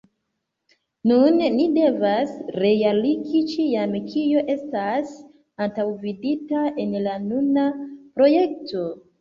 Nun ni devas realigi ĉion kio estas antaŭvidita en la nuna projekto.